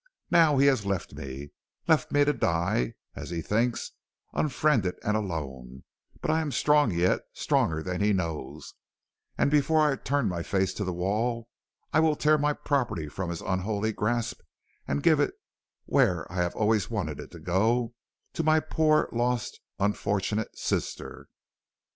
Now he has left me, left me to die, as he thinks, unfriended and alone, but I am strong yet, stronger than he knows, and before I turn my face to the wall, I will tear my property from his unholy grasp and give it where I have always wanted it to go to my poor, lost, unfortunate sister.'